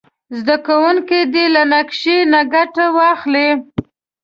زده کوونکي دې له نقشې نه ګټه واخلي.